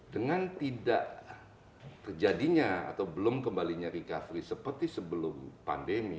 dengan tidak terjadinya atau belum kembalinya recovery seperti sebelum pandemi